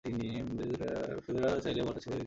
Federer চাইলে বলটা ছেড়ে দিতে পারতেন।